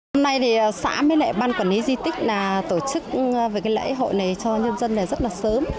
hôm nay xã với lại ban quản lý di tích tổ chức lễ hội này cho nhân dân rất sớm